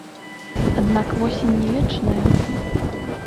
Аднак восень не вечная.